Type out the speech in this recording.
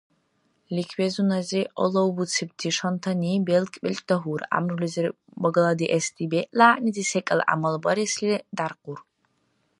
Ликбезунази алавбуцибти шантани белкӀ-белчӀ дагьур, гӀямрулизир багаладиэсти бегӀла гӀягӀнити секӀал гӀямал баресли дяркъур.